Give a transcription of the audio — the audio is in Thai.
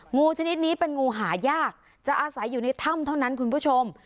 งูชนิดนี้เป็นงูหายากจะอาศัยอยู่ในถ้ำเท่านั้นคุณผู้ชม